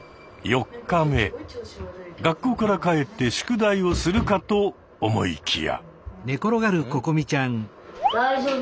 学校から帰って宿題をするかと思いきや。